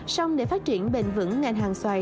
xong để phát triển bền vững ngành hàng xoài